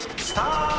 スタート！］